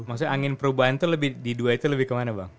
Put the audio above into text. maksudnya angin perubahan itu lebih di dua itu lebih kemana bang